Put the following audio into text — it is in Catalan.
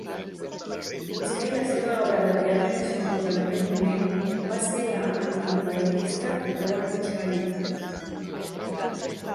Potser la seva obra de teatre més famosa en aquell moment va ser la antiimperialista Roar China!